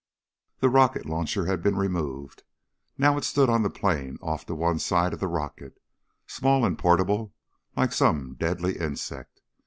The rocket launcher had been removed. Now it stood on the plain off to one side of the rocket, small and portable, like some deadly insect.